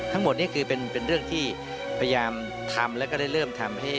ทั้งหมดนี่คือเป็นเรื่องที่พยายามทำแล้วก็ได้เริ่มทำให้